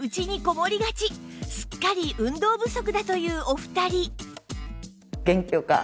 すっかり運動不足だというお二人